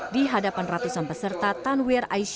di hadapan ratusan peserta tanwir aisyah